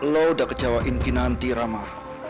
lo udah kecewain kinanti ramah